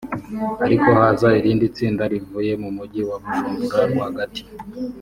ariko haza irindi tsinda rivuye mu mujyi wa Bujumbura rwagati